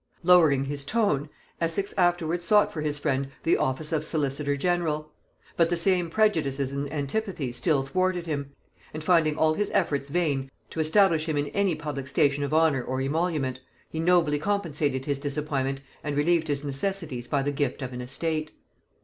Lowering his tone, Essex afterwards sought for his friend the office of solicitor general; but the same prejudices and antipathies still thwarted him: and finding all his efforts vain to establish him in any public station of honor or emolument, he nobly compensated his disappointment and relieved his necessities by the gift of an estate.